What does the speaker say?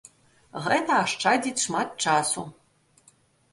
Гэта ашчадзіць шмат часу.